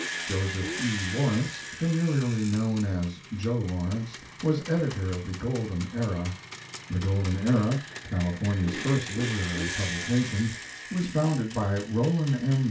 Joseph E. Lawrence, familiarly known as "Joe" Lawrence, was editor of the Golden Era, [The Golden Era, California's first literary publication, was founded by Rollin M.